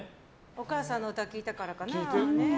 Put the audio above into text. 「おかあさん」の歌を聴いたからかな。